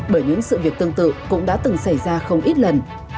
bởi những sự việc tương tự cũng đã từng xảy ra không ít lần